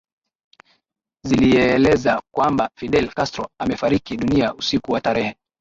Ziliieleza kwamba Fidel Castro amefariki dunia usiku wa tarehe